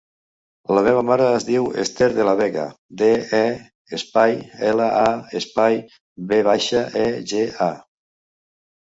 La meva mare es diu Esther De La Vega: de, e, espai, ela, a, espai, ve baixa, e, ge, a.